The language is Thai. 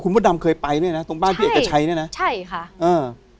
มดดำเคยไปเนี้ยนะตรงบ้านพี่เอกชัยเนี้ยนะใช่ค่ะเออ